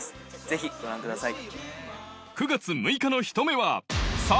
ぜひご覧ください。